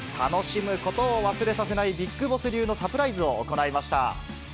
楽しむことを忘れさせないビッグボス流のサプライズを行いました。